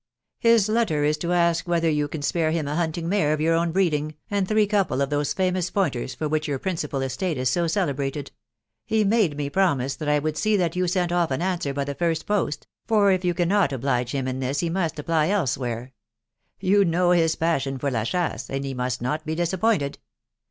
His. letter is to ask whether you can spare him a hunting mare of your own breeding, and three wwqJte <& <&$ftfe Q 226 THE WIDOW BARNABY. famous pointers for which your principal estate is so cefe. brated. He made me promise that I would see that you sea off an answer by the first post, for if you cannot oblige Ida in this he must apply elsewhere. You know his passion for la chasse, and he must not be disappointed.